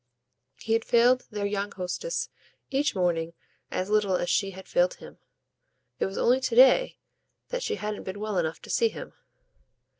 He had failed their young hostess each morning as little as she had failed him; it was only to day that she hadn't been well enough to see him.